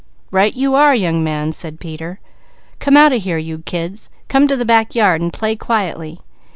"Right you are, young man," said Peter. "Come out of here you kids! Come to the back yard and play quietly.